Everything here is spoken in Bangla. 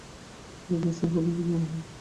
যে দর্শনকে কদাচিৎ মনে হয়।